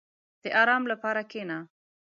• د آرام لپاره کښېنه.